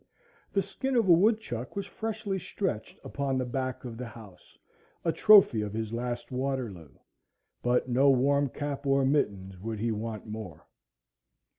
The skin of a woodchuck was freshly stretched upon the back of the house, a trophy of his last Waterloo; but no warm cap or mittens would he want more.